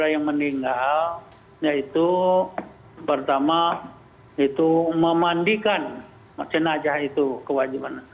ya itu pertama itu memandikan jenazah itu kewajiban